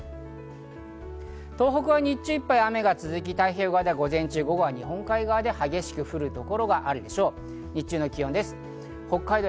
東北は日中いっぱい、雨が続き、太平洋側では午後、激しく降る所があるでしょう。